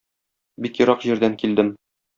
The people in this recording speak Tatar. Бик ерак җирдән килдем.